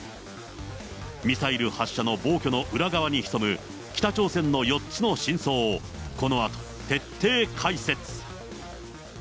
ミサイル発射の暴挙の裏側に潜む、北朝鮮の４つの深層を、このあと徹底解説。